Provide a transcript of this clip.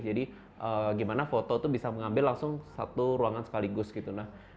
jadi gimana foto itu bisa mengambil langsung satu ruangan sekaligus gitu